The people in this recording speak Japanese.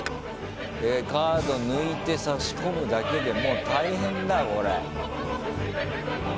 カード抜いて差し込むだけでもう大変だよこれ。